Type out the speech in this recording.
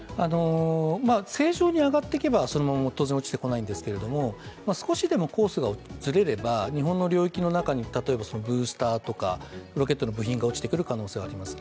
正常に上がっていけば当然落ちてこないんですが、少しでもコースがずれれば、日本の領域の中にブースターとかロケットの部品が落ちてくる可能性はあります。